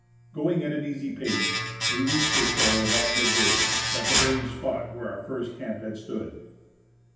Going at an easy pace, we reached the shore about mid day, at the very spot where our first camp had stood.